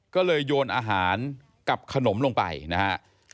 ก็เลยโยนอาหารกับขนมลงไปนะฮะ